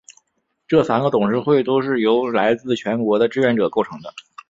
这三个董事会都是由来自全国的志愿者构成的。